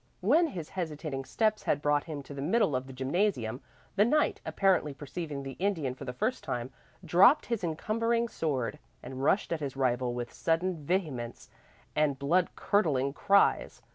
When his hesitating steps had brought him to the middle of the gymnasium, the knight, apparently perceiving the Indian for the first time, dropped his encumbering sword and rushed at his rival with sudden vehemence and blood curdling cries.